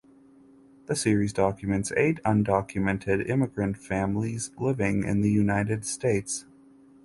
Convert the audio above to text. The series documents eight undocumented immigrant families living in the United States.